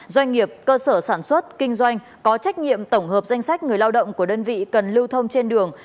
doanh nghiệp cơ sở sản xuất kinh doanh có trách nhiệm tổng hợp danh sách người lao động của đơn vị cần lưu thông trên đường